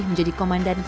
kembali ke tempat